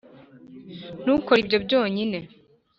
ntukore ibyo byonyine